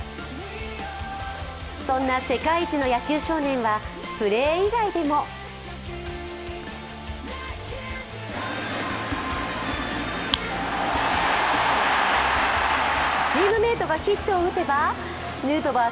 そんな世界一の野球少年はプレー以外でもチームメイトがヒットを打てばヌートバー